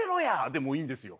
「でもいいんですよ」？